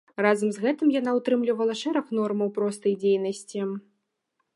Разам з гэтым яна ўтрымлівала шэраг нормаў простай дзейнасці.